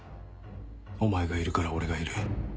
お前がいるから俺がいる。